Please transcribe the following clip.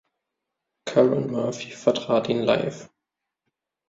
Curran Murphy vertrat ihn live.